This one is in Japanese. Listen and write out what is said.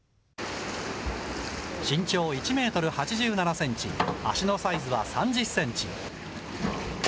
身長１メートル８７センチ、足のサイズは３０センチ。